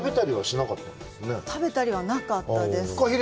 サメ食べたりはしなかったんですね。